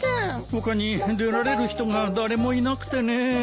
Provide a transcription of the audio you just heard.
他に出られる人が誰もいなくてねえ。